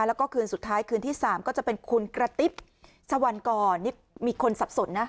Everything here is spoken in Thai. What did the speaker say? แล้วก็คืนสุดท้ายคืนที่๓ก็จะเป็นคุณกระติ๊บสวรรณกรนี่มีคนสับสนนะ